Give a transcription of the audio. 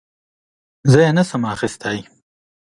زه یې نه شم اخیستی .